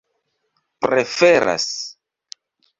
preferas